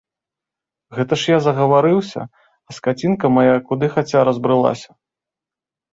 Гэта ж я загаварыўся, а скацінка мая куды хаця разбрылася.